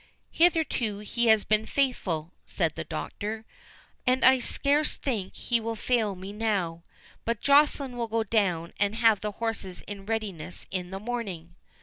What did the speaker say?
"Hitherto he has been faithful," said the Doctor, "and I scarce think he will fail me now. But Joceline will go down and have the horses in readiness in the morning."